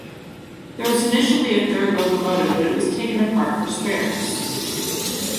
There was initially a third locomotive but it was taken apart for spares.